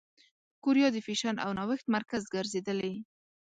کوریا د فېشن او نوښت مرکز ګرځېدلې.